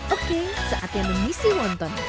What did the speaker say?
oke saat yang menisi monton